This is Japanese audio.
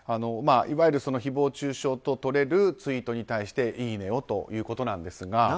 いわゆる誹謗中傷ととれるツイートに対していいねをということなんですが。